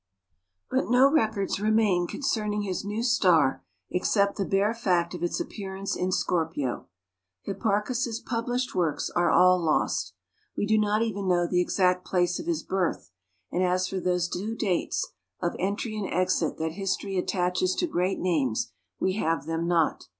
But no records remain concerning his new star except the bare fact of its appearance in Scorpio. Hipparchus's published works are all lost. We do not even know the exact place of his birth, and as for those two dates of entry and exit that history attaches to great names we have them not.